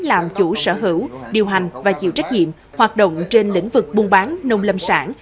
làm chủ sở hữu điều hành và chịu trách nhiệm hoạt động trên lĩnh vực buôn bán nông lâm sản